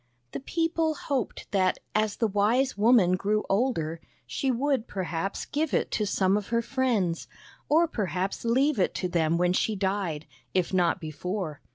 The people hoped that, as the wise woman grew older, she would perhaps give it to some of her friends, or perhaps leave it to them when she died, if not before.